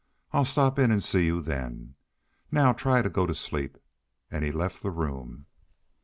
I'll stop in and see you then. Now try to go to sleep." And he left the room.